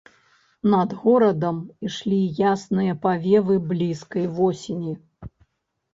Над горадам ішлі ясныя павевы блізкай восені.